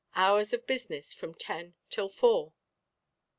Hours of Business, from Ten till Four."